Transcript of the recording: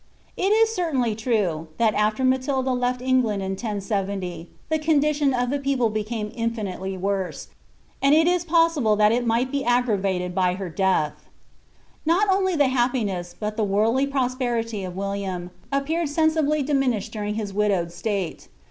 '" It is certainly true, that after Matilda left England in 1070, the condition of the people became infinitely worse, and it is possible that it might be •ggimvated by her death. Not only the happiness, but the worldly prosperity, of William, ap peued sensibly dinunished during his widowed state.